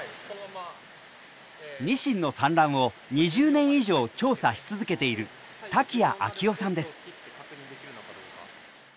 ニシンの産卵を２０年以上調査し続けている瀧谷明朗さんです。